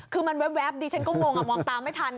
คือมันแว๊บดิฉันก็งงมองตามไม่ทัน